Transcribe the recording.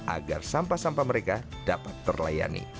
agar sampah sampah mereka dapat terlayani